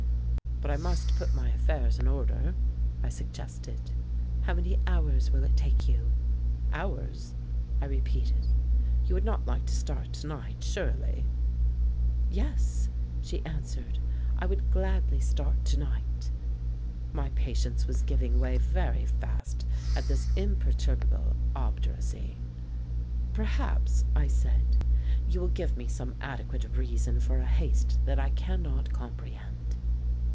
"But I must put my affairs in order," I suggested. "How many hours will it take you?" "Hours?" I repeated. "You would not like to start to night, surely?" "Yes," she answered, "I would gladly start to night." My patience was giving way very fast at this imperturbable obduracy. "Perhaps," I said, "you will give me some adequate reason for a haste that I cannot comprehend."